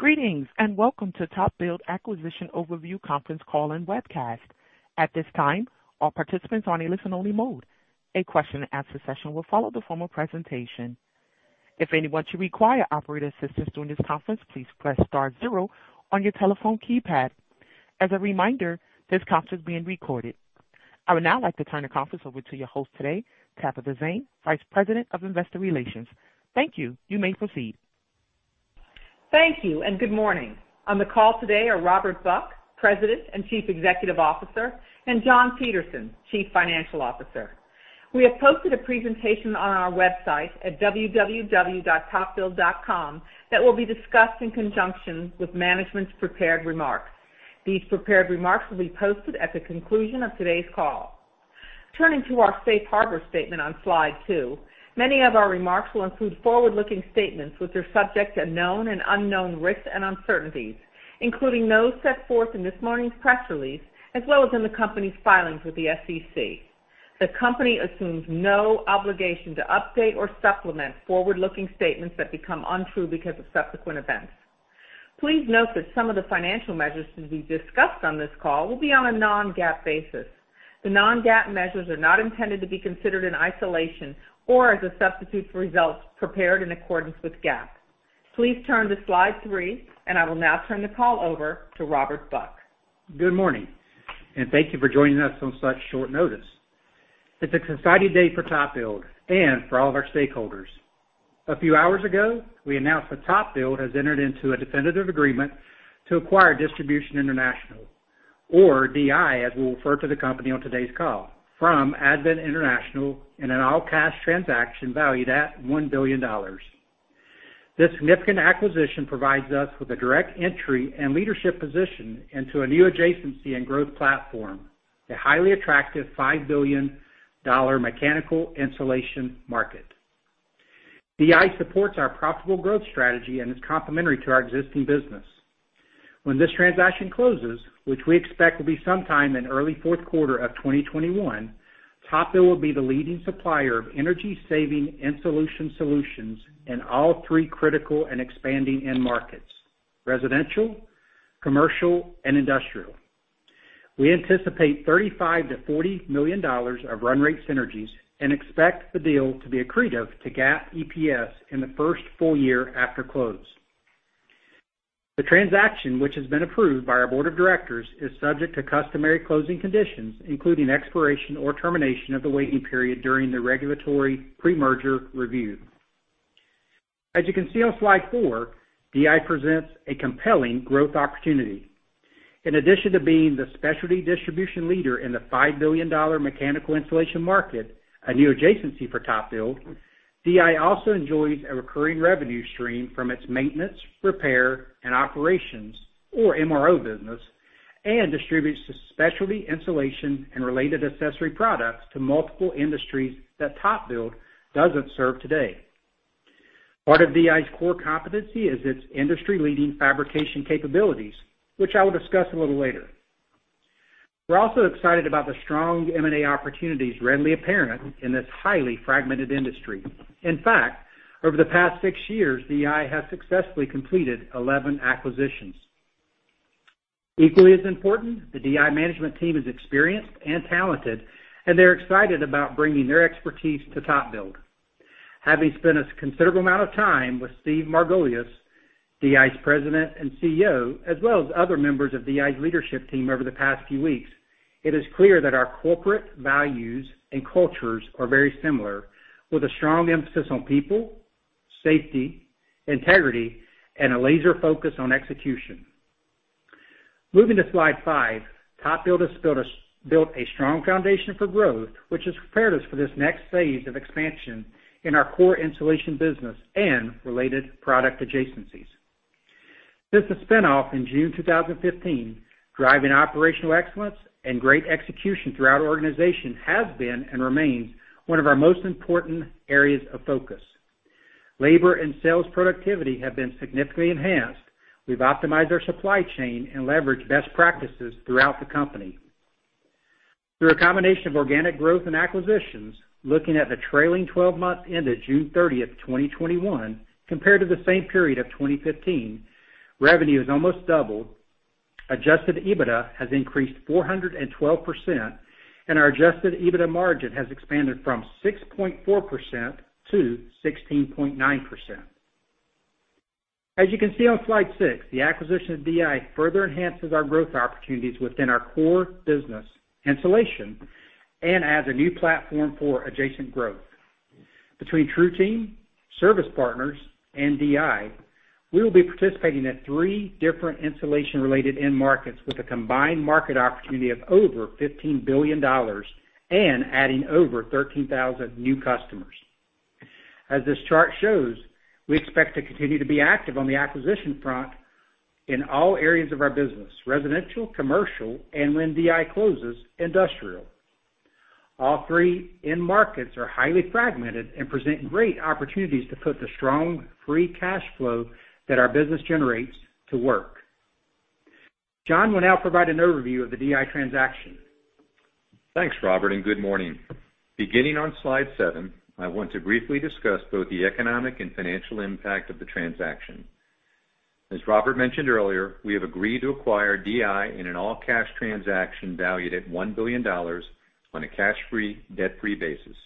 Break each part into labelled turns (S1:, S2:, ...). S1: Greetings, and welcome to TopBuild Acquisition Overview conference call and webcast. At this time, all participants are on a listen-only mode. A question-and-answer session will follow the formal presentation. If anyone should require operator assistance during this conference, please press star zero on your telephone keypad. As a reminder, this conference is being recorded. I would now like to turn the conference over to your host today, Tabitha Zane, Vice President of Investor Relations. Thank you. You may proceed.
S2: Thank you, and good morning. On the call today are Robert Buck, President and Chief Executive Officer, and John Peterson, Chief Financial Officer. We have posted a presentation on our website at www.topbuild.com that will be discussed in conjunction with management's prepared remarks. These prepared remarks will be posted at the conclusion of today's call. Turning to our safe harbor statement on slide two, many of our remarks will include forward-looking statements, which are subject to known and unknown risks and uncertainties, including those set forth in this morning's press release, as well as in the company's filings with the SEC. The company assumes no obligation to update or supplement forward-looking statements that become untrue because of subsequent events. Please note that some of the financial measures to be discussed on this call will be on a non-GAAP basis. The non-GAAP measures are not intended to be considered in isolation or as a substitute for results prepared in accordance with GAAP. Please turn to slide three. I will now turn the call over to Robert Buck.
S3: Good morning, and thank you for joining us on such short notice. It's an exciting day for TopBuild and for all of our stakeholders. A few hours ago, we announced that TopBuild has entered into a definitive agreement to acquire Distribution International, or DI, as we'll refer to the company on today's call, from Advent International in an all-cash transaction valued at $1 billion. This significant acquisition provides us with a direct entry and leadership position into a new adjacency and growth platform, the highly attractive $5 billion mechanical insulation market. DI supports our profitable growth strategy and is complementary to our existing business. When this transaction closes, which we expect will be sometime in early fourth quarter of 2021, TopBuild will be the leading supplier of energy-saving insulation solutions in all three critical and expanding end markets: residential, commercial, and industrial. We anticipate $35 million-$40 million of run rate synergies and expect the deal to be accretive to GAAP EPS in the first full year after close. The transaction, which has been approved by our board of directors, is subject to customary closing conditions, including expiration or termination of the waiting period during the regulatory pre-merger review. As you can see on slide four, DI presents a compelling growth opportunity. In addition to being the specialty distribution leader in the $5 billion mechanical insulation market, a new adjacency for TopBuild, DI also enjoys a recurring revenue stream from its maintenance, repair, and operations, or MRO business, and distributes the specialty insulation and related accessory products to multiple industries that TopBuild doesn't serve today. Part of DI's core competency is its industry-leading fabrication capabilities, which I will discuss a little later. We're also excited about the strong M&A opportunities readily apparent in this highly fragmented industry. In fact, over the past six years, DI has successfully completed 11 acquisitions. Equally as important, the DI management team is experienced and talented, and they're excited about bringing their expertise to TopBuild. Having spent a considerable amount of time with Steve Margolius, DI's President and CEO, as well as other members of DI's leadership team over the past few weeks, it is clear that our corporate values and cultures are very similar, with a strong emphasis on people, safety, integrity, and a laser focus on execution. Moving to slide five, TopBuild has built a strong foundation for growth, which has prepared us for this next phase of expansion in our core insulation business and related product adjacencies. Since the spin-off in June 2015, driving operational excellence and great execution throughout our organization has been and remains one of our most important areas of focus. Labor and sales productivity have been significantly enhanced. We've optimized our supply chain and leveraged best practices throughout the company. Through a combination of organic growth and acquisitions, looking at the trailing 12 months ended June 30th, 2021, compared to the same period of 2015, revenue has almost doubled, adjusted EBITDA has increased 412%, and our adjusted EBITDA margin has expanded from 6.4% to 16.9%. As you can see on slide six, the acquisition of DI further enhances our growth opportunities within our core business, insulation, and adds a new platform for adjacent growth. Between TruTeam, Service Partners, and DI, we will be participating in three different insulation-related end markets with a combined market opportunity of over $15 billion and adding over 13,000 new customers. As this chart shows, we expect to continue to be active on the acquisition front in all areas of our business, residential, commercial, and when DI closes, industrial. All three end markets are highly fragmented and present great opportunities to put the strong free cash flow that our business generates to work. John will now provide an overview of the DI transaction.
S4: Thanks, Robert. Good morning. Beginning on slide seven, I want to briefly discuss both the economic and financial impact of the transaction. As Robert mentioned earlier, we have agreed to acquire DI in an all-cash transaction valued at $1 billion on a cash-free, debt-free basis.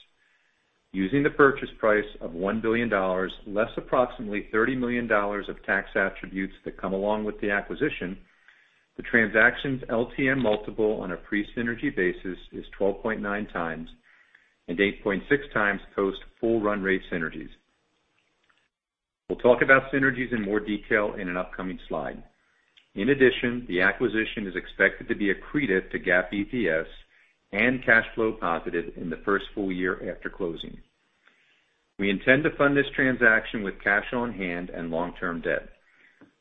S4: Using the purchase price of $1 billion, less approximately $30 million of tax attributes that come along with the acquisition, the transaction's LTM multiple on a pre-synergy basis is 12.9x and 8.6x post full run rate synergies. We'll talk about synergies in more detail in an upcoming slide. In addition, the acquisition is expected to be accretive to GAAP EPS and cash flow positive in the first full year after closing. We intend to fund this transaction with cash on hand and long-term debt.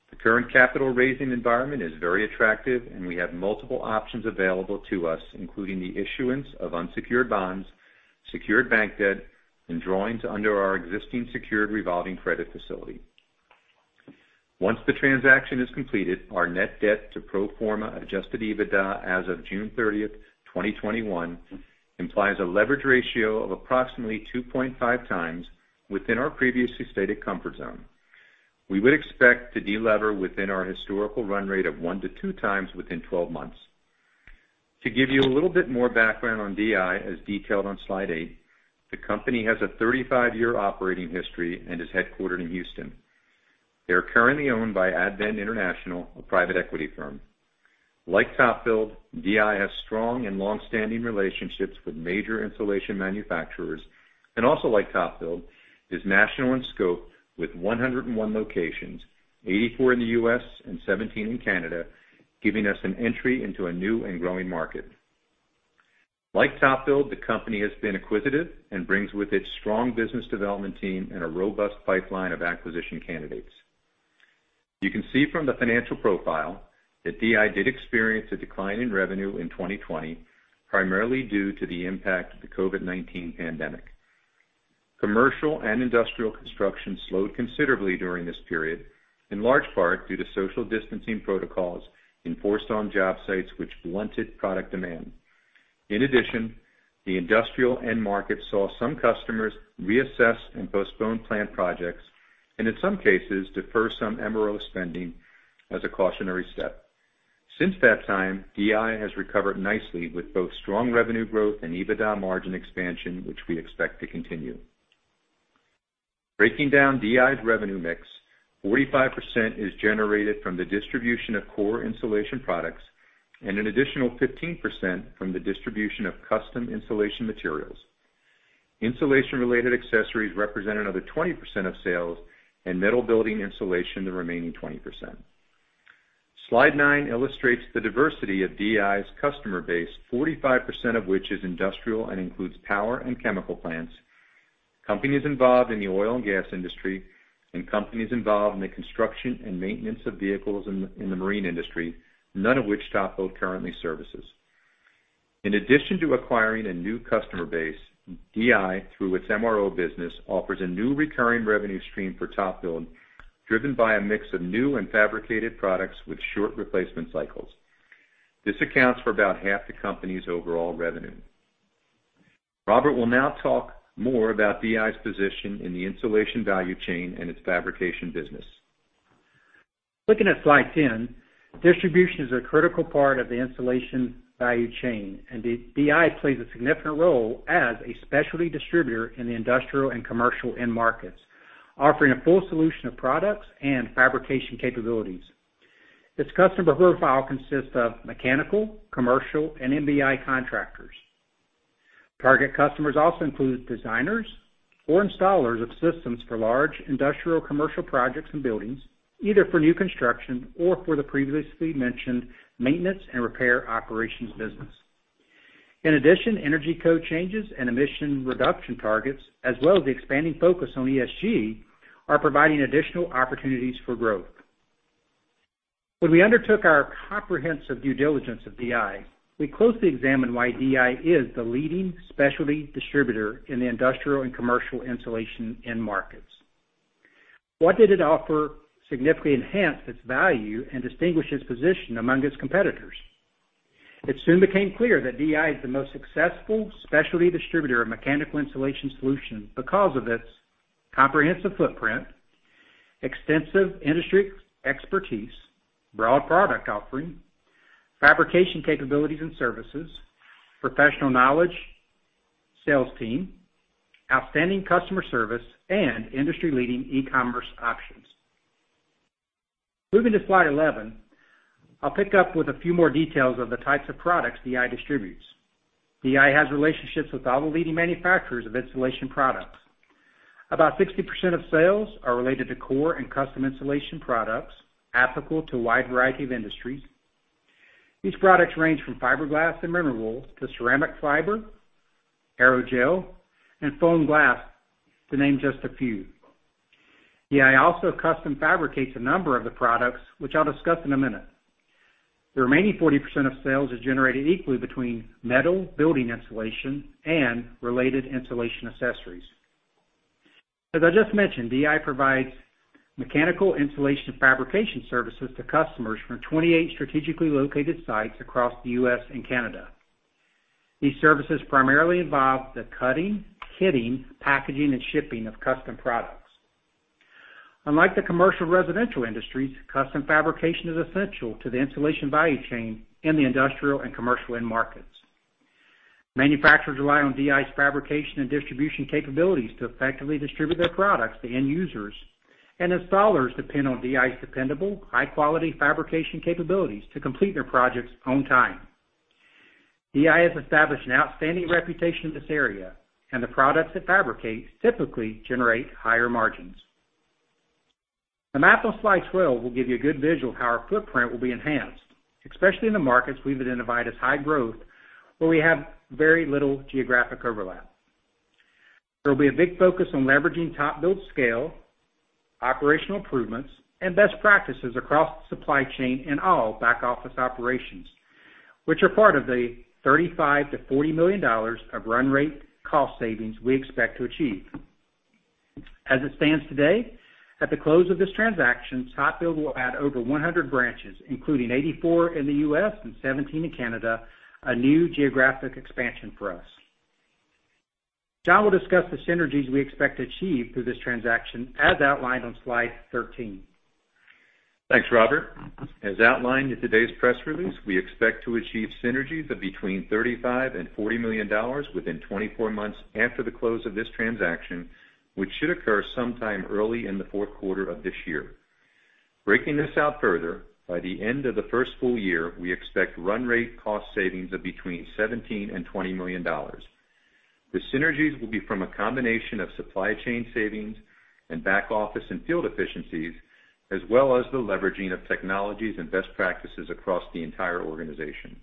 S4: The current capital raising environment is very attractive, and we have multiple options available to us, including the issuance of unsecured bonds, secured bank debt, and drawings under our existing secured revolving credit facility. Once the transaction is completed, our net debt to pro forma adjusted EBITDA as of June 30th, 2021, implies a leverage ratio of approximately 2.5x within our previously stated comfort zone. We would expect to delever within our historical run rate of 1x-2x within 12 months. To give you a little bit more background on DI, as detailed on Slide eight, the company has a 35-year operating history and is headquartered in Houston. They are currently owned by Advent International, a private equity firm. Like TopBuild, DI has strong and long-standing relationships with major insulation manufacturers, and also like TopBuild, is national in scope with 101 locations, 84 in the US and 17 in Canada, giving us an entry into a new and growing market. Like TopBuild, the company has been acquisitive and brings with it strong business development team and a robust pipeline of acquisition candidates. You can see from the financial profile that DI did experience a decline in revenue in 2020, primarily due to the impact of the COVID-19 pandemic. Commercial and industrial construction slowed considerably during this period, in large part due to social distancing protocols enforced on job sites, which blunted product demand. In addition, the industrial end market saw some customers reassess and postpone planned projects, and in some cases, defer some MRO spending as a cautionary step. Since that time, DI has recovered nicely with both strong revenue growth and EBITDA margin expansion, which we expect to continue. Breaking down DI's revenue mix, 45% is generated from the distribution of core insulation products and an additional 15% from the distribution of custom insulation materials. Insulation-related accessories represent another 20% of sales and metal building insulation, the remaining 20%. Slide nine illustrates the diversity of DI's customer base, 45% of which is industrial and includes power and chemical plants, companies involved in the oil and gas industry, and companies involved in the construction and maintenance of vehicles in the marine industry, none of which TopBuild currently services. In addition to acquiring a new customer base, DI, through its MRO business, offers a new recurring revenue stream for TopBuild, driven by a mix of new and fabricated products with short replacement cycles. This accounts for about half the company's overall revenue. Robert will now talk more about DI's position in the insulation value chain and its fabrication business.
S3: Looking at slide 10, distribution is a critical part of the insulation value chain, and DI plays a significant role as a specialty distributor in the industrial and commercial end markets, offering a full solution of products and fabrication capabilities. Its customer profile consists of mechanical, commercial, and MBI contractors. Target customers also include designers or installers of systems for large industrial commercial projects and buildings, either for new construction or for the previously mentioned maintenance and repair operations business. In addition, energy code changes and emission reduction targets, as well as the expanding focus on ESG, are providing additional opportunities for growth. When we undertook our comprehensive due diligence of DI, we closely examined why DI is the leading specialty distributor in the industrial and commercial insulation end markets. What did it offer to significantly enhance its value and distinguish its position among its competitors? It soon became clear that DI is the most successful specialty distributor of mechanical insulation solutions because of its comprehensive footprint, extensive industry expertise, broad product offering, fabrication capabilities and services, professional knowledge, sales team, outstanding customer service, and industry-leading e-commerce options. Moving to slide 11, I'll pick up with a few more details of the types of products DI distributes. DI has relationships with all the leading manufacturers of insulation products. About 60% of sales are related to core and custom insulation products applicable to a wide variety of industries. These products range from fiberglass and mineral wool to ceramic fiber, aerogel, and foam glass, to name just a few. DI also custom fabricates a number of the products, which I'll discuss in a minute. The remaining 40% of sales is generated equally between metal building insulation and related insulation accessories. I just mentioned, DI provides mechanical insulation fabrication services to customers from 28 strategically located sites across the U.S. and Canada. These services primarily involve the cutting, kitting, packaging, and shipping of custom products. Unlike the commercial residential industries, custom fabrication is essential to the insulation value chain in the industrial and commercial end markets. Manufacturers rely on DI's fabrication and distribution capabilities to effectively distribute their products to end users, installers depend on DI's dependable, high-quality fabrication capabilities to complete their projects on time. DI has established an outstanding reputation in this area, the products it fabricates typically generate higher margins. The map on Slide 12 will give you a good visual of how our footprint will be enhanced, especially in the markets we've identified as high growth, where we have very little geographic overlap. There will be a big focus on leveraging TopBuild scale, operational improvements, and best practices across the supply chain in all back-office operations, which are part of the $35 million-$40 million of run rate cost savings we expect to achieve. As it stands today, at the close of this transaction, TopBuild will add over 100 branches, including 84 in the U.S. and 17 in Canada, a new geographic expansion for us. John will discuss the synergies we expect to achieve through this transaction, as outlined on Slide 13.
S4: Thanks, Robert. As outlined in today's press release, we expect to achieve synergies of between $35 million and $40 million within 24 months after the close of this transaction, which should occur sometime early in the fourth quarter of this year. Breaking this out further, by the end of the first full year, we expect run rate cost savings of between $17 million and $20 million. The synergies will be from a combination of supply chain savings and back-office and field efficiencies, as well as the leveraging of technologies and best practices across the entire organization.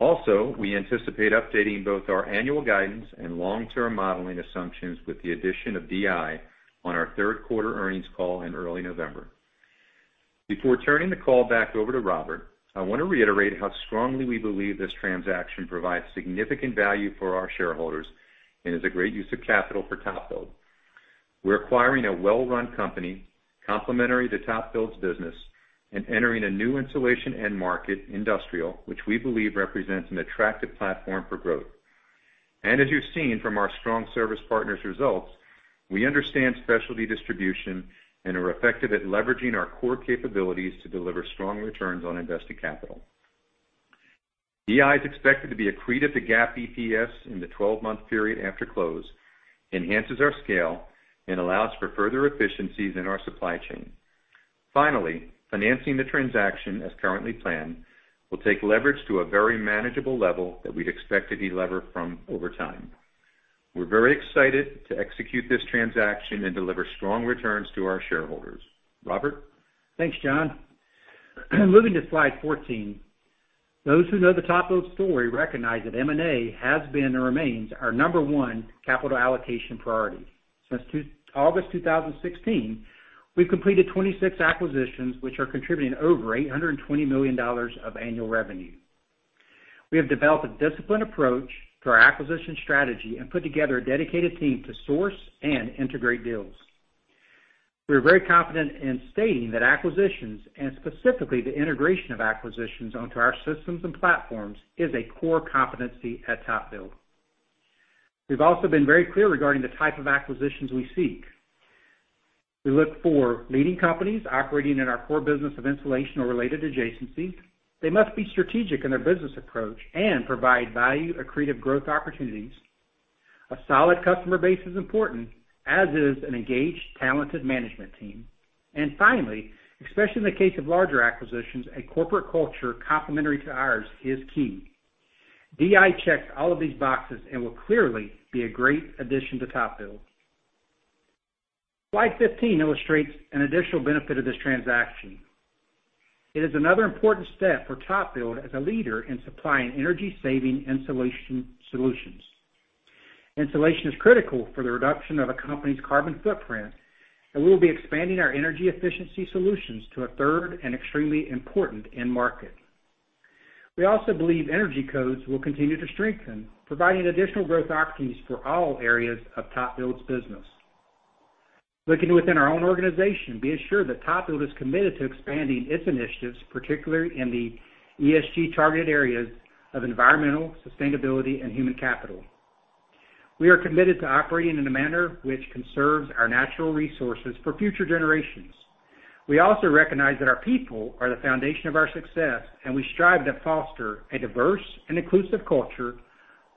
S4: We anticipate updating both our annual guidance and long-term modeling assumptions with the addition of DI on our third quarter earnings call in early November. Before turning the call back over to Robert, I want to reiterate how strongly we believe this transaction provides significant value for our shareholders and is a great use of capital for TopBuild. We're acquiring a well-run company, complementary to TopBuild's business, entering a new insulation end market, industrial, which we believe represents an attractive platform for growth. As you've seen from our strong Service Partners' results, we understand specialty distribution and are effective at leveraging our core capabilities to deliver strong returns on invested capital. DI is expected to be accretive to GAAP EPS in the 12-month period after close, enhances our scale, allows for further efficiencies in our supply chain. Finally, financing the transaction, as currently planned, will take leverage to a very manageable level that we'd expect to delever from over time. We're very excited to execute this transaction and deliver strong returns to our shareholders. Robert?
S3: Thanks, John. Moving to Slide 14, those who know the TopBuild story recognize that M&A has been and remains our number one capital allocation priority. Since August 2016, we've completed 26 acquisitions, which are contributing over $820 million of annual revenue. We have developed a disciplined approach to our acquisition strategy and put together a dedicated team to source and integrate deals. We're very confident in stating that acquisitions, and specifically the integration of acquisitions onto our systems and platforms, is a core competency at TopBuild. We've also been very clear regarding the type of acquisitions we seek. We look for leading companies operating in our core business of insulation or related adjacencies. They must be strategic in their business approach and provide value, accretive growth opportunities. A solid customer base is important, as is an engaged, talented management team. Finally, especially in the case of larger acquisitions, a corporate culture complementary to ours is key. DI checks all of these boxes and will clearly be a great addition to TopBuild. Slide 15 illustrates an additional benefit of this transaction. It is another important step for TopBuild as a leader in supplying energy-saving insulation solutions. Insulation is critical for the reduction of a company's carbon footprint, and we will be expanding our energy efficiency solutions to a third and extremely important end market. We also believe energy codes will continue to strengthen, providing additional growth opportunities for all areas of TopBuild's business. Looking within our own organization, be assured that TopBuild is committed to expanding its initiatives, particularly in the ESG target areas of environmental, sustainability, and human capital. We are committed to operating in a manner which conserves our natural resources for future generations. We also recognize that our people are the foundation of our success, and we strive to foster a diverse and inclusive culture,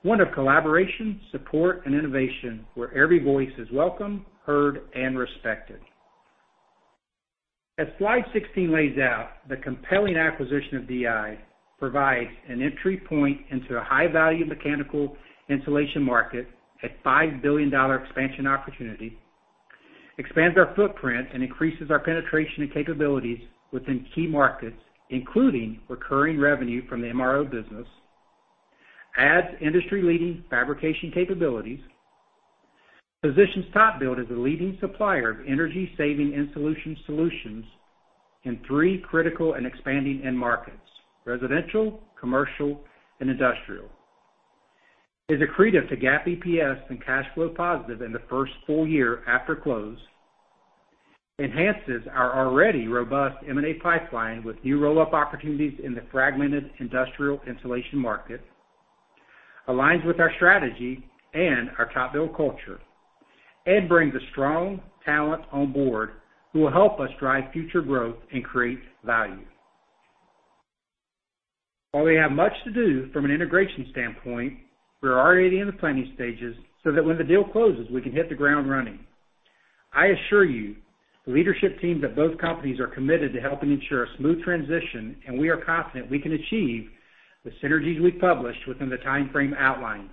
S3: one of collaboration, support, and innovation, where every voice is welcome, heard, and respected. As Slide 16 lays out, the compelling acquisition of DI provides an entry point into a high-value mechanical insulation market, a $5 billion expansion opportunity, expands our footprint, and increases our penetration and capabilities within key markets, including recurring revenue from the MRO business, adds industry-leading fabrication capabilities, positions TopBuild as a leading supplier of energy-saving insulation solutions in 3 critical and expanding end markets: residential, commercial, and industrial. is accretive to GAAP EPS and cash flow positive in the first full year after close, enhances our already robust M&A pipeline with new roll-up opportunities in the fragmented industrial insulation market, aligns with our strategy and our TopBuild culture, and brings a strong talent on board who will help us drive future growth and create value. While we have much to do from an integration standpoint, we're already in the planning stages so that when the deal closes, we can hit the ground running. I assure you, the leadership teams of both companies are committed to helping ensure a smooth transition, and we are confident we can achieve the synergies we published within the time frame outlined.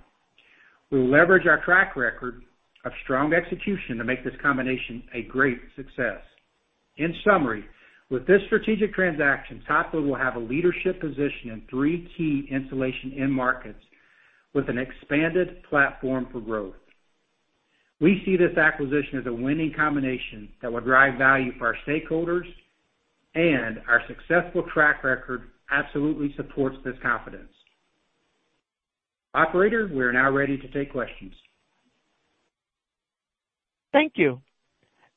S3: We will leverage our track record of strong execution to make this combination a great success. In summary, with this strategic transaction, TopBuild will have a leadership position in three key insulation end markets with an expanded platform for growth. We see this acquisition as a winning combination that will drive value for our stakeholders, and our successful track record absolutely supports this confidence. Operator, we are now ready to take questions.
S1: Thank you.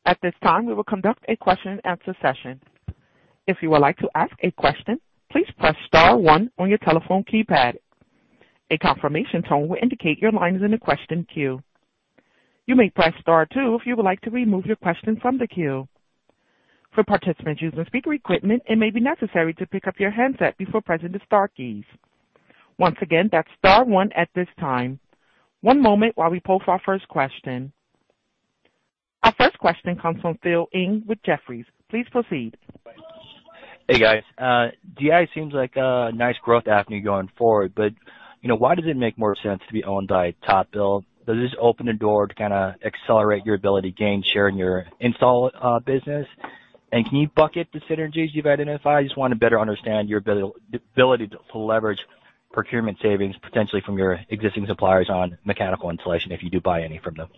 S1: At this time, we will conduct a question-and-answer session. If you would like to ask a question, please press star one on your telephone keypad. A confirmation tone will indicate your line is in the question queue. You may press star two if you would like to remove your question from the queue. For participants using speaker equipment, it may be necessary to pick up your handset before pressing the star keys. Once again, that's star one at this time. One moment while we pose for our first question. Our first question comes from Philip Ng with Jefferies. Please proceed.
S5: Hey, guys. DI seems like a nice growth avenue going forward. You know, why does it make more sense to be owned by TopBuild? Does this open the door to kinda accelerate your ability to gain share in your install business? Can you bucket the synergies you've identified? I just want to better understand your ability to leverage procurement savings, potentially from your existing suppliers on mechanical insulation, if you do buy any from them.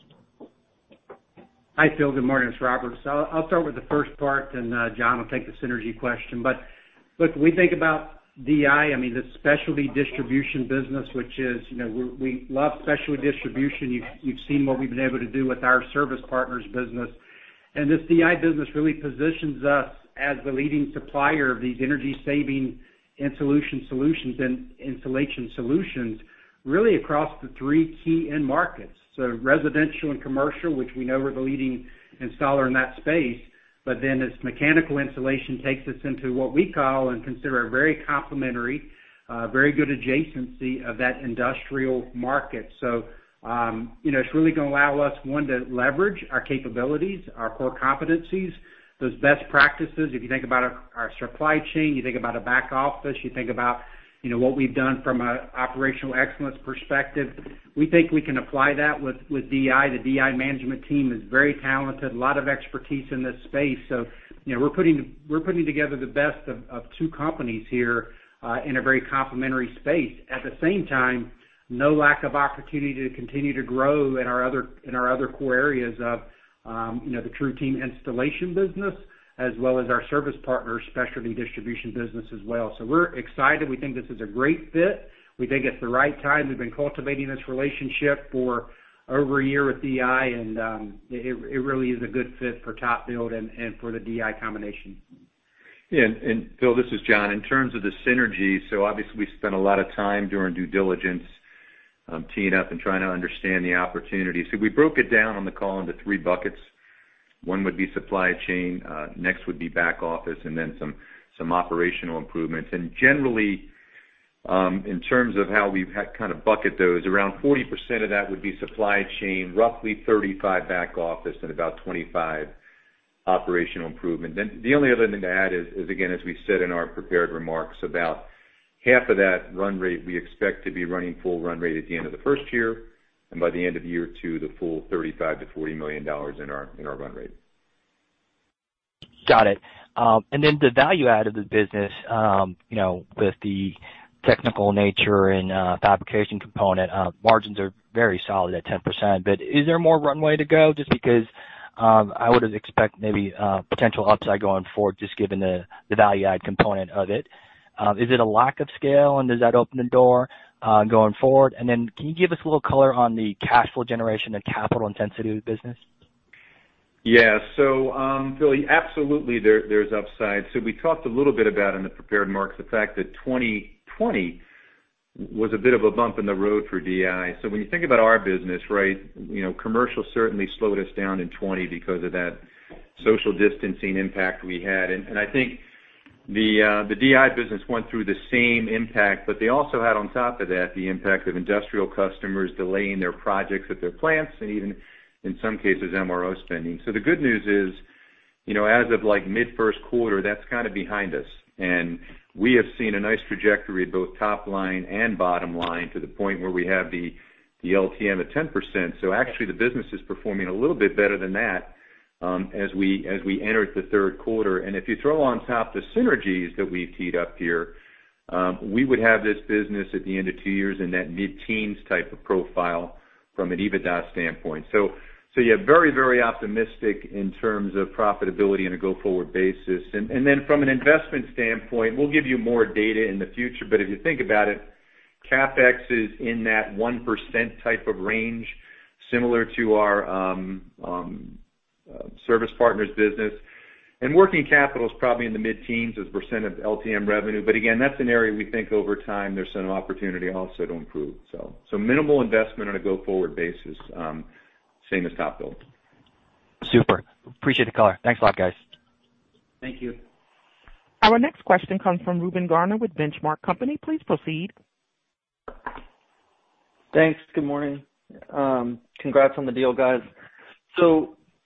S3: Hi, Phil. Good morning. It's Robert. I'll start with the first part, then John will take the synergy question. Look, we think about DI, I mean, the specialty distribution business, which is, you know, we love specialty distribution. You've seen what we've been able to do with our Service Partners business. This DI business really positions us as the leading supplier of these energy-saving and solutions and insulation solutions, really across the three key end markets. Residential and commercial, which we know we're the leading installer in that space, this mechanical insulation takes us into what we call and consider a very complementary, very good adjacency of that industrial market. You know, it's really going to allow us, one, to leverage our capabilities, our core competencies, those best practices. If you think about our supply chain, you think about a back office, you think about, you know, what we've done from an operational excellence perspective. We think we can apply that with DI. The DI management team is very talented, a lot of expertise in this space. You know, we're putting together the best of two companies here in a very complementary space. At the same time, no lack of opportunity to continue to grow in our other core areas of, you know, the TruTeam installation business, as well as our Service Partners, specialty distribution business as well. We're excited. We think this is a great fit. We think it's the right time. We've been cultivating this relationship for over a year with DI, and, it really is a good fit for TopBuild and for the DI combination.
S4: Phil, this is John. In terms of the synergies, obviously, we spent a lot of time during due diligence, teeing up and trying to understand the opportunities. We broke it down on the call into three buckets. One would be supply chain, next would be back office, and then some operational improvements. Generally, in terms of how we've had kind of bucket those, around 40% of that would be supply chain, roughly 35% back office, and about 25% operational improvement. The only other thing to add is again, as we said in our prepared remarks, about half of that run rate, we expect to be running full run rate at the end of the first year, and by the end of year two, the full $35 million-$40 million in our run rate.
S5: Got it. The value add of the business, you know, with the technical nature and fabrication component, margins are very solid at 10%. Is there more runway to go? Just because, I would expect maybe potential upside going forward, just given the value add component of it. Is it a lack of scale, and does that open the door going forward? Can you give us a little color on the cash flow generation and capital intensity of the business?
S4: Yeah. Phil, absolutely, there's upside. We talked a little bit about in the prepared marks, the fact that 2020 was a bit of a bump in the road for DI. When you think about our business, right, you know, commercial certainly slowed us down in 20 because of that social distancing impact we had. I think the DI business went through the same impact, but they also had on top of that, the impact of industrial customers delaying their projects at their plants, and even in some cases, MRO spending. The good news is, you know, as of, like, mid-1st quarter, that's kind of behind us. We have seen a nice trajectory of both top line and bottom line to the point where we have the LTM at 10%. Actually, the business is performing a little bit better than that, as we enter the third quarter. If you throw on top the synergies that we've teed up here, we would have this business at the end of 2 years in that mid-teens type of profile from an EBITDA standpoint. Yeah, very, very optimistic in terms of profitability on a go-forward basis. Then from an investment standpoint, we'll give you more data in the future, but if you think about it. CapEx is in that 1% type of range, similar to our Service Partners business, and working capital is probably in the mid-teens as a percent of LTM revenue. Again, that's an area we think over time, there's some opportunity also to improve. Minimal investment on a go-forward basis, same as TopBuild.
S5: Super. Appreciate the color. Thanks a lot, guys.
S3: Thank you.
S1: Our next question comes from Reuben Garner with The Benchmark Company. Please proceed.
S6: Thanks. Good morning. Congrats on the deal, guys.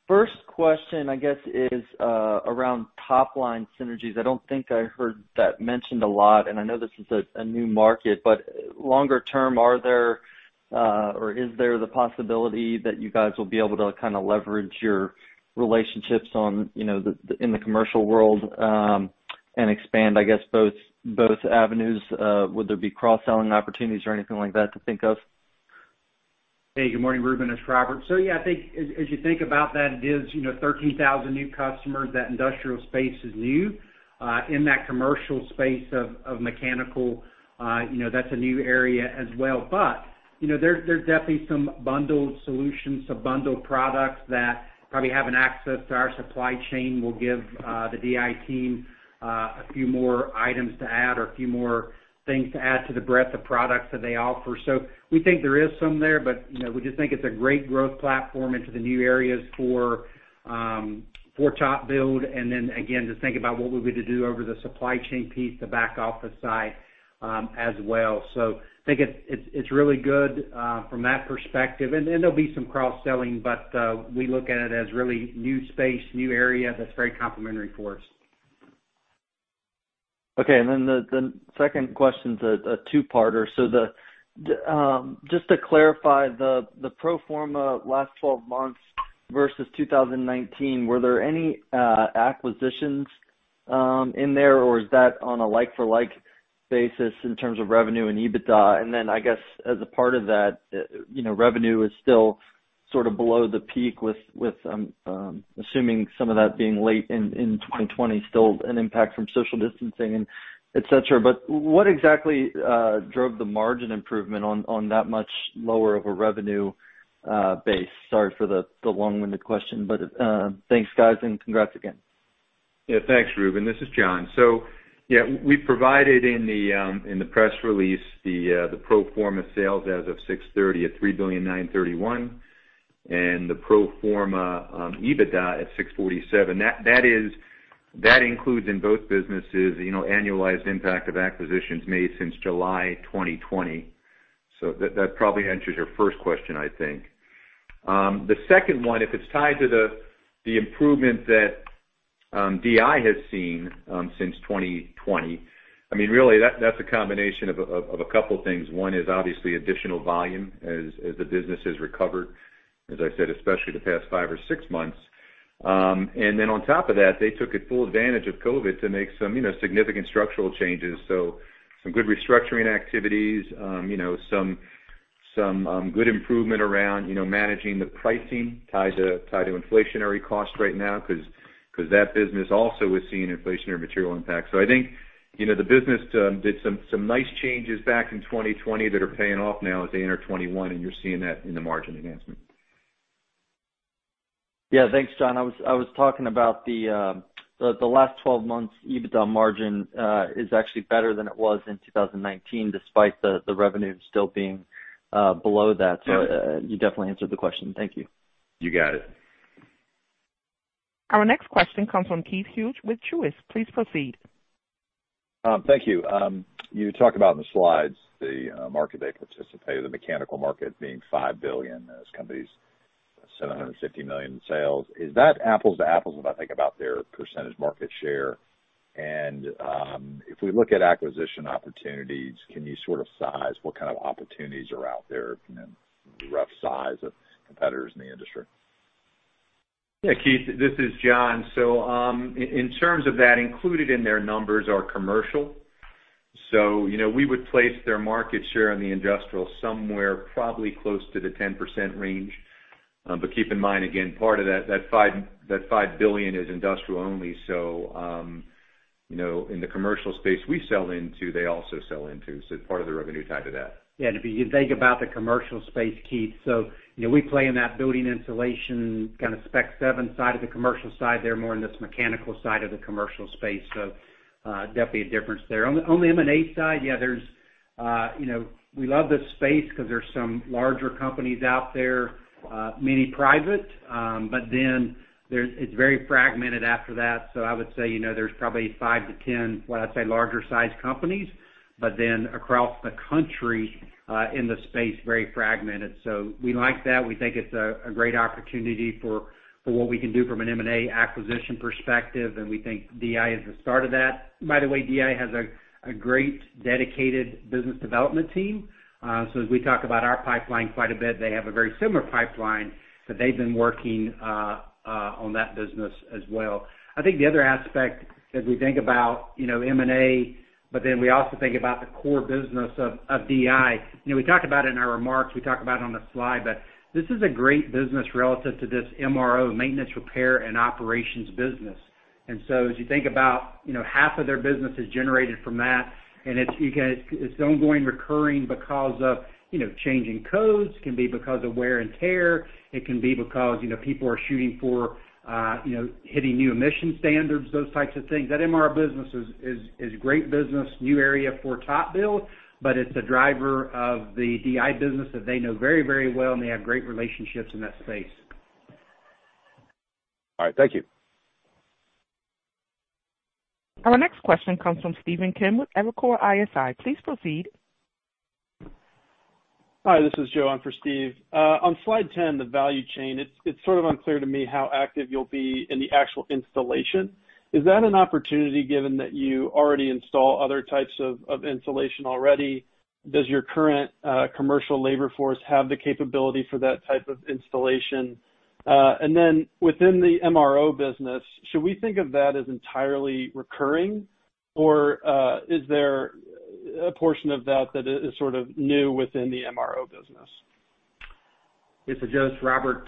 S6: First question, I guess, is around top-line synergies. I don't think I heard that mentioned a lot, and I know this is a new market, but longer term, are there, or is there the possibility that you guys will be able to kind of leverage your relationships on, you know, the, in the commercial world, and expand, I guess, both avenues? Would there be cross-selling opportunities or anything like that to think of?
S3: Hey, good morning, Reuben, it's Robert. Yeah, I think as you think about that, it is, you know, 13,000 new customers. That industrial space is new, in that commercial space of mechanical, you know, that's a new area as well. You know, there's definitely some bundled solutions, some bundled products that probably having access to our supply chain will give the DI team a few more items to add or a few more things to add to the breadth of products that they offer. We think there is some there, but, you know, we just think it's a great growth platform into the new areas for TopBuild. Again, just think about what we would to do over the supply chain piece to back office side as well. I think it's really good, from that perspective. There'll be some cross-selling, but, we look at it as really new space, new area that's very complementary for us.
S6: Okay. The second question's a two-parter. Just to clarify, the pro forma last twelve months versus 2019, were there any acquisitions in there, or is that on a like-for-like basis in terms of revenue and EBITDA? I guess as a part of that, you know, revenue is still sort of below the peak with assuming some of that being late in 2020, still an impact from social distancing and et cetera. What exactly drove the margin improvement on that much lower of a revenue base? Sorry for the long-winded question, but thanks, guys, and congrats again.
S4: Thanks, Reuben. This is John. We provided in the press release, the pro forma sales as of 6/30 at $3.931 billion, and the pro forma EBITDA at $647 million. That includes in both businesses, you know, annualized impact of acquisitions made since July 2020. That probably answers your first question, I think. The second one, if it's tied to the improvement that DI has seen since 2020, I mean, really, that's a combination of a couple things. One is obviously additional volume as the business has recovered, as I said, especially the past five or six months. On top of that, they took full advantage of COVID-19 to make some, you know, significant structural changes. Some good restructuring activities, you know, some good improvement around, you know, managing the pricing tied to inflationary costs right now, 'cause that business also is seeing inflationary material impacts. I think, you know, the business did some nice changes back in 2020 that are paying off now as they enter 2021, and you're seeing that in the margin enhancement.
S6: Yeah. Thanks, John. I was talking about the last 12 months EBITDA margin is actually better than it was in 2019, despite the revenue still being below that.
S4: Yeah.
S6: You definitely answered the question. Thank you.
S4: You got it.
S1: Our next question comes from Keith Hughes with Truist. Please proceed.
S7: Thank you. You talked about in the slides, the market they participate, the mechanical market being $5 billion, as companies, $750 million in sales. Is that apples to apples when I think about their percentage market share? If we look at acquisition opportunities, can you sort of size what kind of opportunities are out there and the rough size of competitors in the industry?
S4: Yeah, Keith, this is John. In terms of that, included in their numbers are commercial. You know, we would place their market share in the industrial somewhere, probably close to the 10% range. Keep in mind, again, part of that $5 billion is industrial only. You know, in the commercial space we sell into, they also sell into, so part of the revenue tied to that.
S3: Yeah, if you think about the commercial space, Keith, you know, we play in that building insulation kind of Spec 7 side of the commercial side. They're more in this mechanical side of the commercial space, definitely a difference there. On the M&A side, yeah, there's, you know, we love this space because there's some larger companies out there, many private, it's very fragmented after that. I would say, you know, there's probably 5 to 10, well, I'd say, larger sized companies across the country in the space, very fragmented. We like that. We think it's a great opportunity for what we can do from an M&A acquisition perspective, we think DI is the start of that. By the way, DI has a great dedicated business development team. As we talk about our pipeline quite a bit, they have a very similar pipeline, but they've been working on that business as well. I think the other aspect, as we think about, you know, M&A, we also think about the core business of DI. You know, we talked about it in our remarks, we talked about it on the slide. This is a great business relative to this MRO, maintenance, repair, and operations business. As you think about, you know, half of their business is generated from that, and it's ongoing recurring because of, you know, changing codes, it can be because of wear and tear, it can be because, you know, people are shooting for hitting new emission standards, those types of things. That MRO business is great business, new area for TopBuild, but it's a driver of the DI business that they know very, very well, and they have great relationships in that space.
S7: All right, thank you.
S1: Our next question comes from Stephen Kim with Evercore ISI. Please proceed.
S8: Hi, this is Joe. I'm for Steve. On slide 10, the value chain, it's sort of unclear to me how active you'll be in the actual installation. Is that an opportunity, given that you already install other types of installation already? Does your current commercial labor force have the capability for that type of installation? Then within the MRO business, should we think of that as entirely recurring, or is there a portion of that that is sort of new within the MRO business?
S3: Thank you Joe, it's Robert.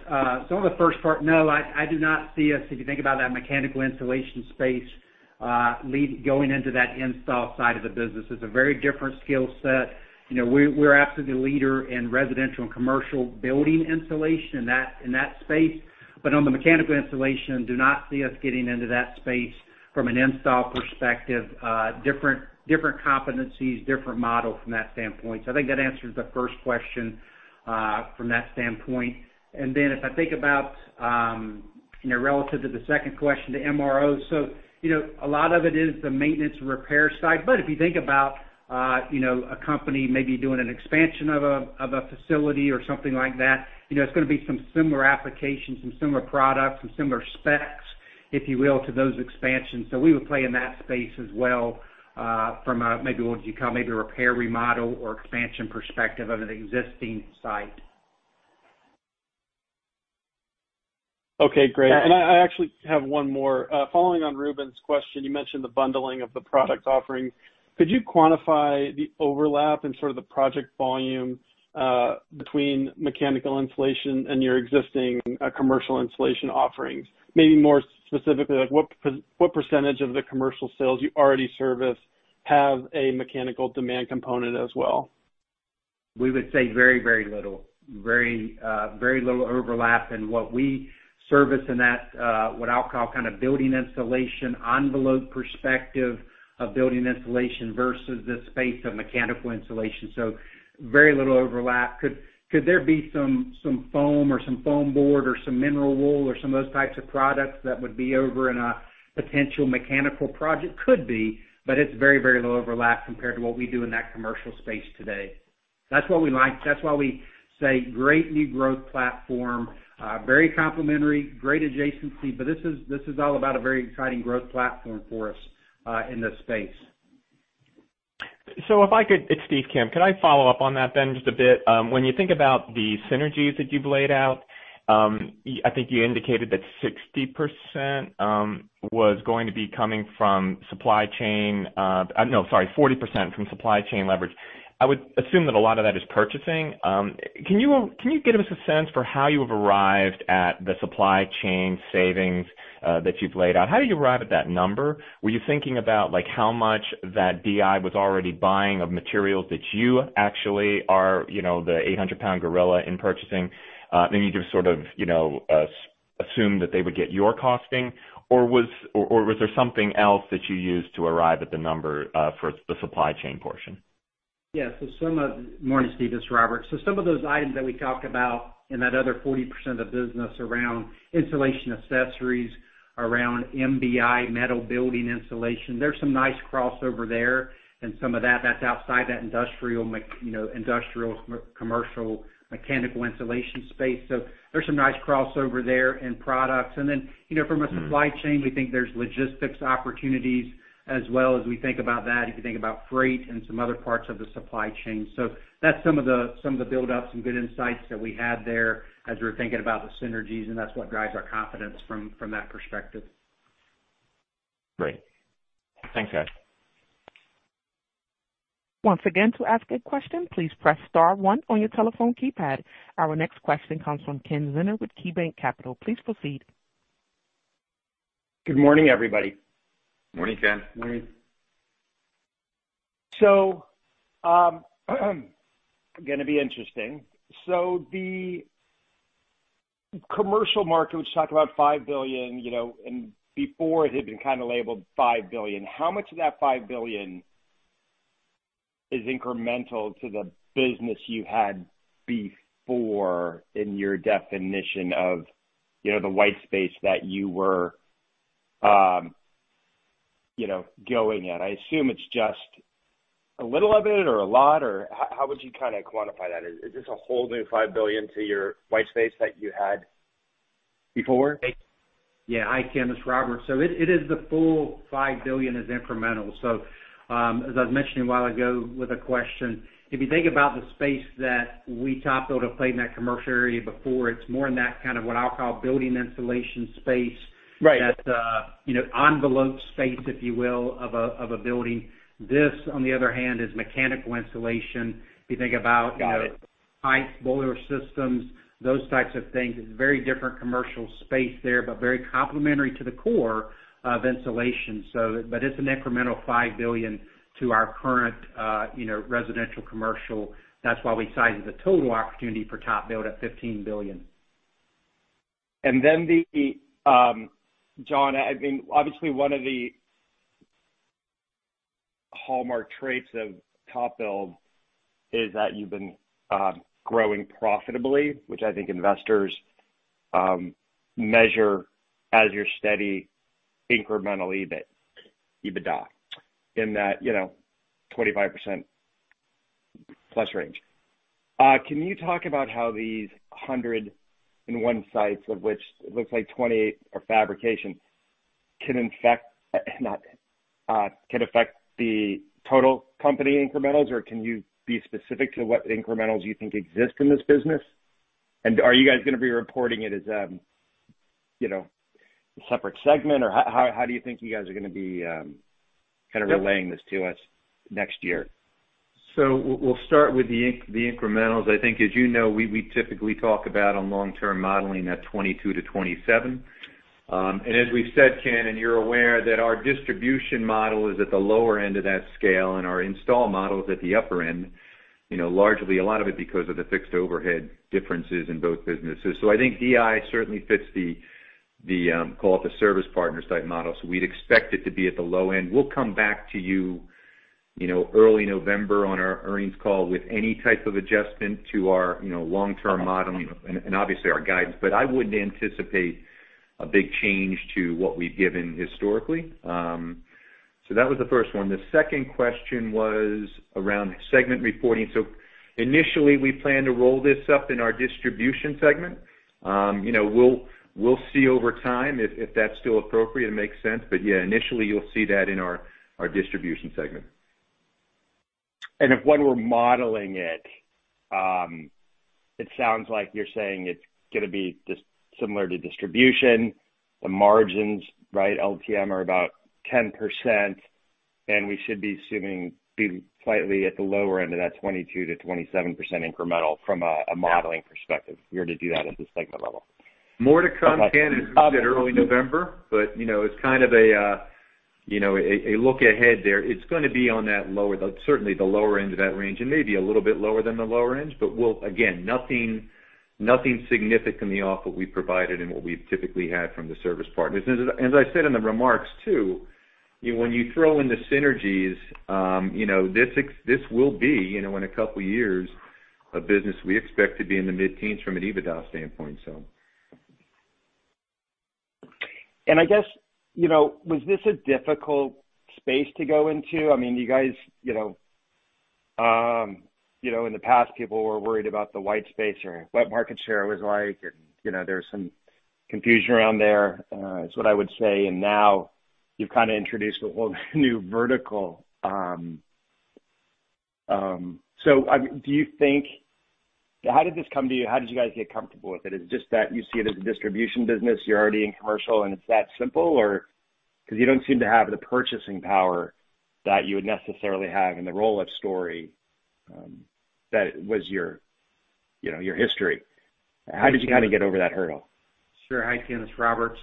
S3: On the first part, no, I do not see us, if you think about that mechanical insulation space, going into that installation side of the business. It's a very different skill set. You know, we're absolutely leader in residential and commercial building insulation in that, in that space, but on the mechanical insulation, do not see us getting into that space from an installation perspective. Different, different competencies, different model from that standpoint. I think that answers the first question from that standpoint. If I think about, you know, relative to the second question, to MRO. You know, a lot of it is the maintenance repair side, but if you think about, you know, a company maybe doing an expansion of a, of a facility or something like that, you know, it's going to be some similar applications, some similar products, some similar specs, if you will, to those expansions. We would play in that space as well, from a maybe what you call maybe a repair, remodel, or expansion perspective of an existing site.
S8: Okay, great.
S3: Yeah.
S8: I actually have one more. Following on Reuben's question, you mentioned the bundling of the product offering. Could you quantify the overlap and sort of the project volume between mechanical insulation and your existing commercial insulation offerings? Maybe more specifically, like, what % of the commercial sales you already service have a mechanical demand component as well?
S3: We would say very, very little. Very little overlap in what we service in that, what I'll call kind of building insulation, envelope perspective of building insulation versus the space of mechanical insulation. Very little overlap. Could there be some foam or some foam board or some mineral wool or some of those types of products that would be over in a potential mechanical project? Could be, but it's very, very low overlap compared to what we do in that commercial space today. That's why we say great new growth platform, very complementary, great adjacency, but this is all about a very exciting growth platform for us in this space.
S9: If I could. It's Steve Kim. Could I follow up on that then just a bit? When you think about the synergies that you've laid out, I think you indicated that 60% was going to be coming from supply chain, no, sorry, 40% from supply chain leverage. I would assume that a lot of that is purchasing. Can you give us a sense for how you have arrived at the supply chain savings that you've laid out? How did you arrive at that number? Were you thinking about, like, how much that DI was already buying of materials that you actually are, you know, the 800 pound gorilla in purchasing? Maybe you just sort of, you know, assumed that they would get your costing, or was there something else that you used to arrive at the number for the supply chain portion?
S3: Yeah. Morning, Steve, this is Robert. Some of those items that we talked about in that other 40% of business around insulation accessories, around MBI, metal building insulation, there's some nice crossover there, and some of that's outside that industrial, you know, commercial mechanical insulation space. There's some nice crossover there in products. You know, from a supply chain-
S9: Mm-hmm.
S3: We think there's logistics opportunities as well as we think about that, if you think about freight and some other parts of the supply chain. That's some of the build up, some good insights that we had there as we're thinking about the synergies, and that's what drives our confidence from that perspective.
S9: Great. Thanks, guys.
S1: Once again, to ask a question, please press star one on your telephone keypad. Our next question comes from Ken Zener with KeyBanc Capital. Please proceed.
S10: Good morning, everybody.
S4: Morning, Ken.
S3: Morning.
S10: Gonna be interesting. The commercial market, which talked about $5 billion, you know, and before it had been kind of labeled $5 billion. How much of that $5 billion is incremental to the business you had before in your definition of, you know, the white space that you were, you know, going at? I assume it's just a little of it or a lot, or how would you kind of quantify that? Is this a whole new $5 billion to your white space that you had before?
S3: Yeah. Hi, Ken, this is Robert. It is the full $5 billion is incremental. As I was mentioning a while ago with a question, if you think about the space that we TopBuild or played in that commercial area before, it's more in that kind of what I'll call building insulation space-
S10: Right.
S3: -that, you know, envelope space, if you will, of a building. This, on the other hand, is mechanical insulation. If you think about-
S10: Got it....
S3: pipes, boiler systems, those types of things. It's a very different commercial space there, but very complementary to the core of insulation. But it's an incremental $5 billion to our current, you know, residential, commercial. That's why we sized the total opportunity for TopBuild at $15 billion.
S10: John, I think, obviously, one of the hallmark traits of TopBuild is that you've been growing profitably, which I think investors measure as your steady incremental EBIT, EBITDA in that, you know, 25% plus range. Can you talk about how these 101 sites, of which it looks like 28 are fabrication, can affect the total company incrementals? Can you be specific to what incrementals you think exist in this business? Are you guys gonna be reporting it as, you know, a separate segment? How do you think you guys are gonna be kind of relaying this to us next year?
S4: We'll start with the incrementals. I think, as you know, we typically talk about on long-term modeling, that 22%-27%. As we've said, Ken, and you're aware, that our distribution model is at the lower end of that scale, and our install model is at the upper end, you know, largely a lot of it because of the fixed overhead differences in both businesses. I think DI certainly fits the, call it the Service Partners site model. We'd expect it to be at the low end. We'll come back to you know, early November on our earnings call with any type of adjustment to our, you know, long-term modeling and obviously our guidance. I wouldn't anticipate a big change to what we've given historically. That was the first one. The second question was around segment reporting. Initially, we plan to roll this up in our distribution segment. You know, we'll see over time if that's still appropriate and makes sense. Yeah, initially, you'll see that in our distribution segment.
S10: If when we're modeling it sounds like you're saying it's gonna be similar to distribution, the margins, right, LTM are about 10%, and we should be assuming be slightly at the lower end of that 22%-27% incremental from a modeling perspective, if we were to do that at the segment level.
S4: More to come, Ken, as we said, early November, but, you know, it's kind of a, you know, a look ahead there. It's gonna be on that lower, certainly the lower end of that range and maybe a little bit lower than the lower end, but we'll, again, nothing significant in the offer we provided and what we've typically had from Service Partners. As I said in the remarks, too, you know, when you throw in the synergies, you know, this will be, you know, in a couple of years, a business we expect to be in the mid-teens from an EBITDA standpoint, so.
S10: I guess, you know, was this a difficult space to go into? I mean, you guys, you know, in the past, people were worried about the white space or what market share was like, and, you know, there was some confusion around there, is what I would say. Now you've kind of introduced a whole new vertical. How did this come to you? How did you guys get comfortable with it? Is it just that you see it as a distribution business, you're already in commercial, and it's that simple, or? You don't seem to have the purchasing power that you would necessarily have in the story, that was your, you know, your history. How did you kind of get over that hurdle?
S3: Sure. Hi, Ken, it's Robert.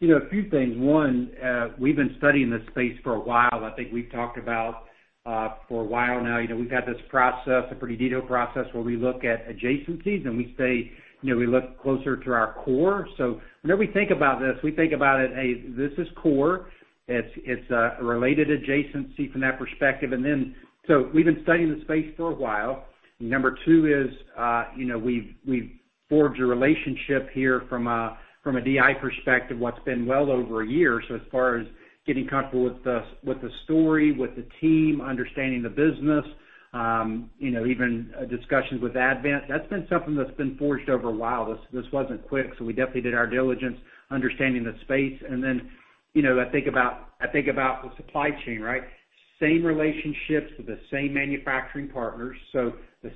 S3: You know, a few things. One, we've been studying this space for a while. I think we've talked about, for a while now, you know, we've had this process, a pretty detailed process, where we look at adjacencies, and we say, you know, we look closer to our core. Whenever we think about this, we think about it, this is core. It's a related adjacency from that perspective. We've been studying the space for a while. Number two is, you know, we've forged a relationship here from a DI perspective, what's been well over a year. As far as getting comfortable with the story, with the team, understanding the business, you know, even discussions with Advent, that's been something that's been forged over a while. This wasn't quick, so we definitely did our diligence, understanding the space. You know, I think about the supply chain, right? Same relationships with the same manufacturing partners. The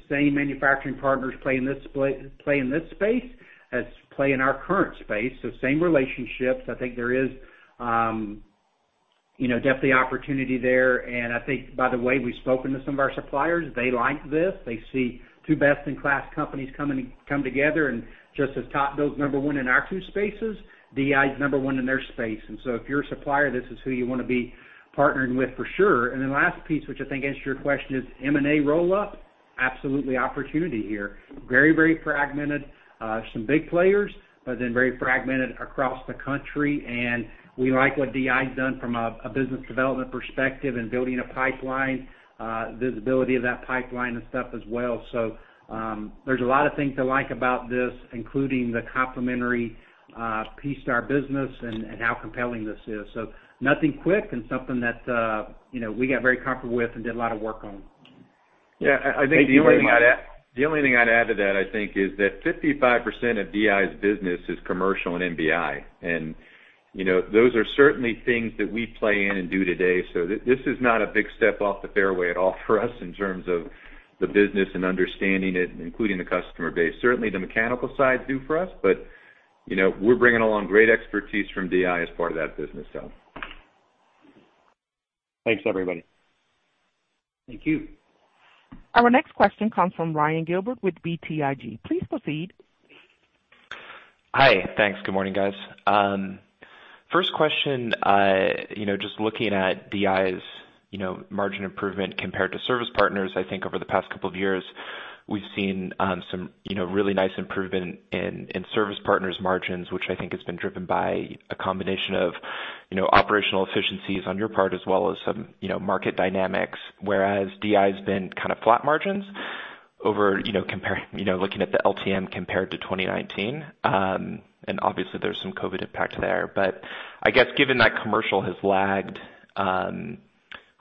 S3: same manufacturing partners play in this space as play in our current space, so same relationships. I think there is, you know, definitely opportunity there. I think, by the way, we've spoken to some of our suppliers, they like this. They see two best-in-class companies come together, and just as TopBuild's number one in our two spaces, DI is number one in their space. If you're a supplier, this is who you want to be partnering with for sure. Last piece, which I think answers your question, is M&A roll-up? Absolutely, opportunity here. Very, very fragmented. Some big players, but then very fragmented across the country, and we like what DI's done from a business development perspective and building a pipeline, visibility of that pipeline and stuff as well. There's a lot of things to like about this, including the complementary piece to our business and how compelling this is. Nothing quick and something that, you know, we got very comfortable with and did a lot of work on.
S4: I think the only thing I'd add to that, I think, is that 55% of DI's business is commercial and MBI. You know, those are certainly things that we play in and do today. This is not a big step off the fairway at all for us in terms of the business and understanding it, including the customer base. Certainly, the mechanical side is new for us, but, you know, we're bringing along great expertise from DI as part of that business, so.
S10: Thanks, everybody.
S3: Thank you.
S1: Our next question comes from Ryan Gilbert with BTIG. Please proceed.
S11: Hi. Thanks. Good morning, guys. First question, you know, just looking at DI's, you know, margin improvement compared to Service Partners, I think over the past couple of years, we've seen, some, you know, really nice improvement in Service Partners margins, which I think has been driven by a combination of, you know, operational efficiencies on your part, as well as some, you know, market dynamics. Whereas DI's been kind of flat margins over, you know, comparing, you know, looking at the LTM compared to 2019. Obviously, there's some COVID impact there. I guess given that commercial has lagged,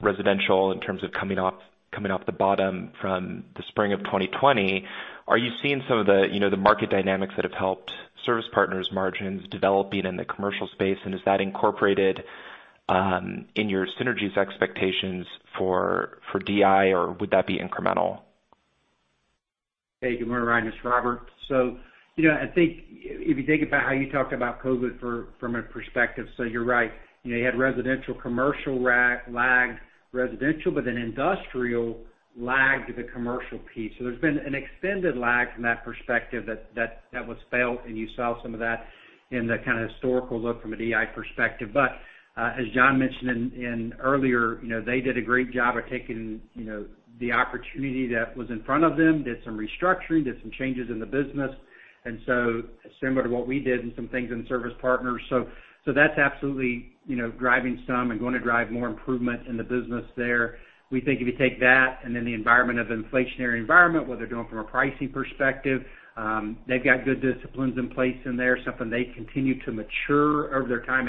S11: residential in terms of coming off the bottom from the spring of 2020, are you seeing some of the, you know, the market dynamics that have helped Service Partners margins developing in the commercial space? Is that incorporated in your synergies expectations for DI, or would that be incremental?
S3: Hey, good morning, Ryan. This is Robert. I think if you think about how you talked about COVID from a perspective, so you're right. You know, you had residential, commercial lagged residential, but then industrial lagged the commercial piece. There's been an extended lag from that perspective that was felt, and you saw some of that in the kind of historical look from a DI perspective. As John mentioned in earlier, you know, they did a great job of taking, you know, the opportunity that was in front of them, did some restructuring, did some changes in the business. Similar to what we did and some things in Service Partners. That's absolutely, you know, driving some and going to drive more improvement in the business there. We think if you take that and then the environment of inflationary environment, what they're doing from a pricing perspective, they've got good disciplines in place in there, something they continue to mature over their time.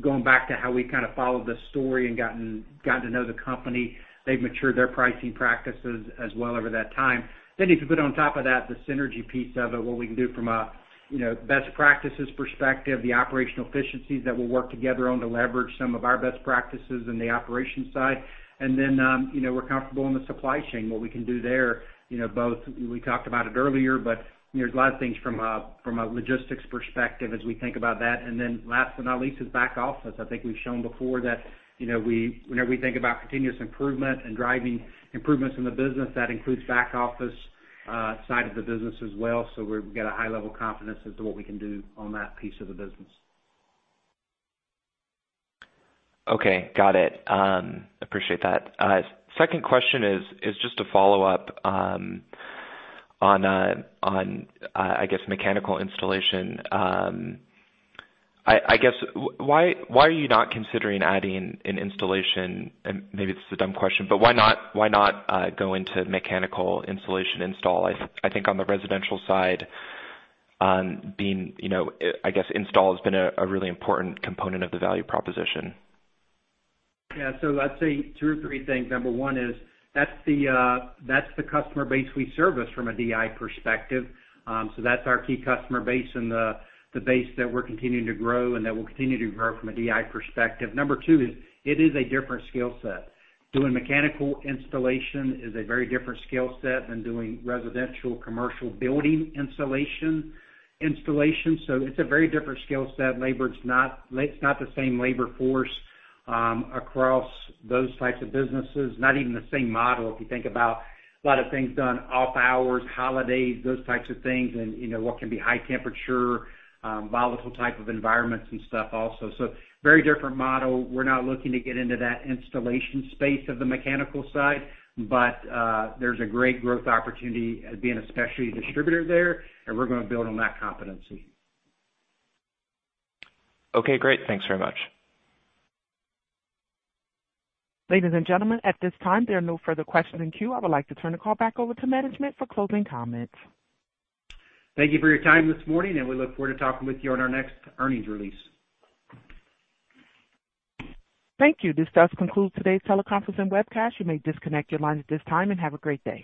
S3: Going back to how we kind of followed the story and gotten to know the company. They've matured their pricing practices as well over that time. If you put on top of that, the synergy piece of it, what we can do from a, you know, best practices perspective, the operational efficiencies that we'll work together on to leverage some of our best practices in the operation side. Then, you know, we're comfortable in the supply chain, what we can do there, you know, both we talked about it earlier, but there's a lot of things from a logistics perspective as we think about that. Last but not least, is back office. I think we've shown before that, you know, whenever we think about continuous improvement and driving improvements in the business, that includes back office side of the business as well. We've got a high level of confidence as to what we can do on that piece of the business.
S11: Okay, got it. Appreciate that. Second question is just a follow-up on a, I guess, mechanical installation. I guess, why are you not considering adding an installation? Maybe this is a dumb question, but why not, go into mechanical installation install? I think on the residential side, on being, you know, I guess install has been a really important component of the value proposition.
S3: I'd say two or three things. Number one is that's the customer base we service from a DI perspective. That's our key customer base and the base that we're continuing to grow and that will continue to grow from a DI perspective. Number two is it is a different skill set. Doing mechanical installation is a very different skill set than doing residential, commercial building installation, so it's a very different skill set. Labor, it's not the same labor force across those types of businesses, not even the same model. If you think about a lot of things done off hours, holidays, those types of things, and you know, what can be high temperature, volatile type of environments and stuff also. Very different model. We're not looking to get into that installation space of the mechanical side, but, there's a great growth opportunity at being a specialty distributor there, and we're going to build on that competency.
S11: Okay, great. Thanks very much.
S1: Ladies and gentlemen, at this time, there are no further questions in queue. I would like to turn the call back over to management for closing comments.
S3: Thank you for your time this morning, and we look forward to talking with you on our next earnings release.
S1: Thank you. This does conclude today's teleconference and webcast. You may disconnect your lines at this time and have a great day.